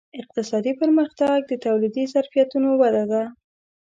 اقتصادي پرمختګ د تولیدي ظرفیتونو وده ده.